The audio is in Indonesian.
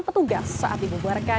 petugas saat dibuka